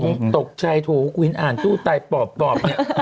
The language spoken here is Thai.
ตกใจโถคุณอ่านตู้ไตปอบปอบเนี่ย